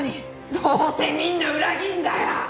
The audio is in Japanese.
どうせみんな裏切るんだよ！